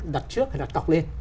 đặt trước hay đặt cọc lên